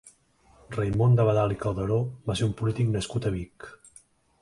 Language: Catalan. Raimon d'Abadal i Calderó va ser un polític nascut a Vic.